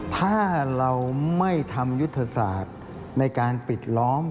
ถ้าเราไม่ทำยุทธศาสตร์ในการปิดล้อม